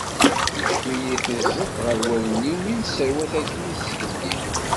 Tekcem-iyi tiẓẓit ɣer wallen-iw mi nesserwat akken izgelli.